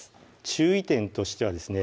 注意点としてはですね